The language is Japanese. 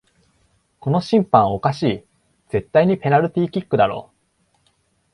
この審判おかしい、絶対にペナルティーキックだろ